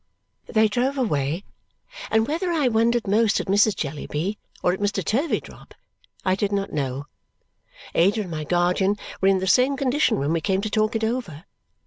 They drove away, and whether I wondered most at Mrs. Jellyby or at Mr. Turveydrop, I did not know. Ada and my guardian were in the same condition when we came to talk it over.